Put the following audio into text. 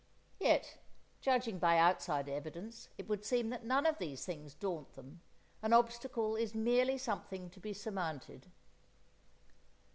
Yet, judging by outside evidence, it would seem that none of these things daunt them; an obstacle is merely something to be surmounted.